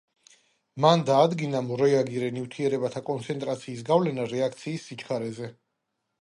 მან დაადგინა მორეაგირე ნივთიერებათა კონცენტრაციის გავლენა რეაქციის სიჩქარეზე.